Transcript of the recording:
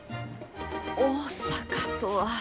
大阪とは。